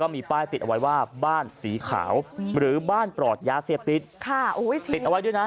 มีป้ายติดไว้ว่าบ้านสีขาวหรือบ้านปลอดยาเสพติด